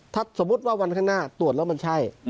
ถ้าสมมุติว่าวันข้างหน้าตรวจแล้วมันใช่